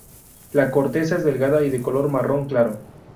La corteza es delgada y de color marrón claro.